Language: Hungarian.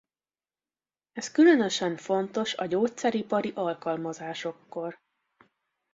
Ez különösen fontos a gyógyszeripari alkalmazásokkor.